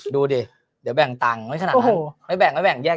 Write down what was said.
ดูดิเดี๋ยวแบ่งตังค์ไว้ขนาดนั้นไม่แบ่งไม่แบ่งแยก